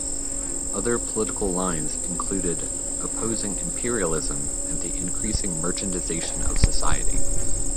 Other political lines included opposing imperialism and the increasing merchandization of society.